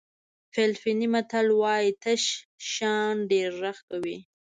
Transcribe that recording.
فلیپیني متل وایي تش شیان ډېر غږ کوي.